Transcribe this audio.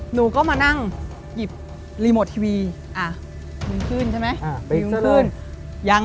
อ๋อหูใจแปลง